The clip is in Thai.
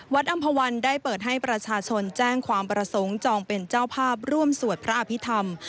อำภาวันได้เปิดให้ประชาชนแจ้งความประสงค์จองเป็นเจ้าภาพร่วมสวดพระอภิษฐรรม